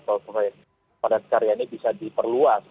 program program pada saat ini bisa diperluas